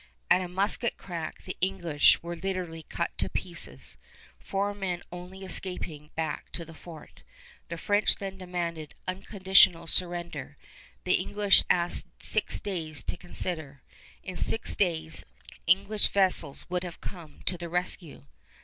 At a musket crack the English were literally cut to pieces, four men only escaping back to the fort. The French then demanded unconditional surrender. The English asked six days to consider. In six days English vessels would have come to the rescue.